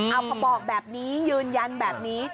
เอาเขาบอกแบบนี้ยืนยันแบบนี้